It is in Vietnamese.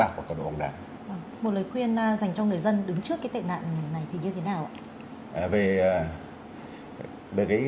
một lời khuyên dành cho người dân đứng trước cái tệ nạn này thì như thế nào ạ